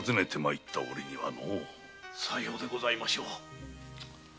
さようでございましょう。